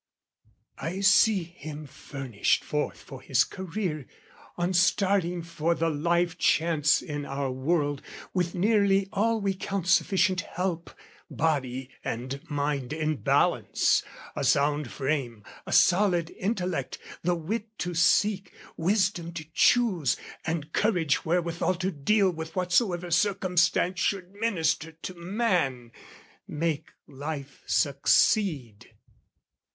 I see him furnished forth for his career, On starting for the life chance in our world, With nearly all we count sufficient help: Body and mind in balance, a sound frame, A solid intellect: the wit to seek, Wisdom to choose, and courage wherewithal To deal with whatsoever circumstance Should minister to man, make life succeed.